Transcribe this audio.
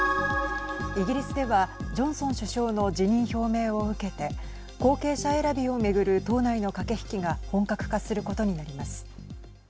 イギリスでは、ジョンソン首相の辞任表明を受けて後継者選びを巡る党内の駆け引きが本格化することになります。